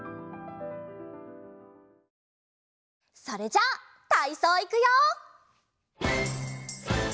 それじゃたいそういくよ！